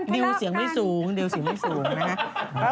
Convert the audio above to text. ดิวเสียงไม่สูงนะฮะ